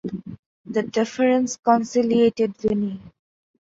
The deference conciliated Vinnie.